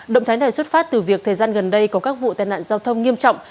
động thái này xuất phát từ việc thời gian gần đây có các vụ tai nạn giao thông nghiêm trọng